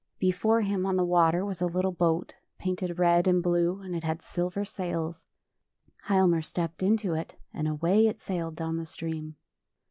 Be fore him on the water was a little boat, painted red and blue, and it had silver sails. Hialmar stepped into it, and away it sailed down the stream.